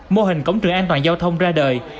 mô hình cổng trường an toàn giao thông ra đời